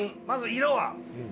まず色は。